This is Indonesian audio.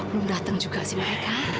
kok belum dateng juga sih mereka